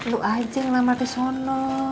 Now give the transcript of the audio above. lu aja yang ngelamar di sana